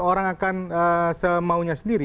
orang akan semaunya sendiri